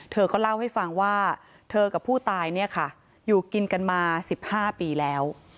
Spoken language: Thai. เธอก็เล่าให้ฟังว่าเธอกับผู้ตายเนี่ยค่ะอยู่กินกันมา๑๕ปีแล้ว